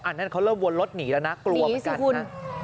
นั่นเขาเริ่มวนรถหนีแล้วนะกลัวเหมือนกันนะ